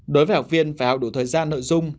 đối với học viên phải học đủ thời gian nội dung